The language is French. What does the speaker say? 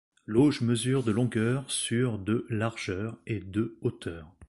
L'auge mesure de longueur sur de largeur et de hauteur.